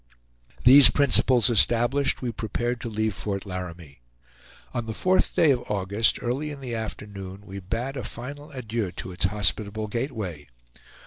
These principles established, we prepared to leave Fort Laramie. On the fourth day of August, early in the afternoon, we bade a final adieu to its hospitable gateway.